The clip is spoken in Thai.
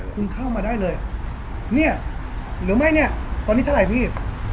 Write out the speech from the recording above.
คุณเข้ามาได้เลยเนี่ยหรือไม่เนี่ยตอนนี้เท่าไหร่พี่